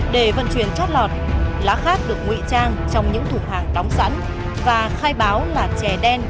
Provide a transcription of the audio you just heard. để vận chuyển chất lọt lá khát được ngụy trang trong những thủ hàng đóng sẵn và khai báo là chè đen